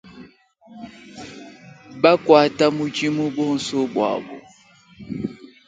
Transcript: Bakuata mudimu bonso buabo.